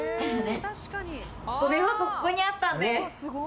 ここにあったんです！